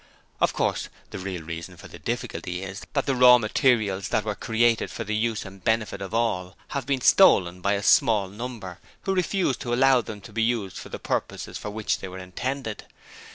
Of course, the real reason for the difficulty is that the raw materials that were created for the use and benefit of all have been stolen by a small number, who refuse to allow them to be used for the purposes for which they were intended.